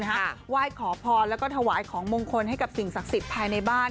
ไหว้ขอพรแล้วก็ถวายของมงคลให้กับสิ่งศักดิ์สิทธิ์ภายในบ้าน